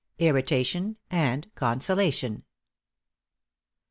* *IRRITATION AND CONSOLATION.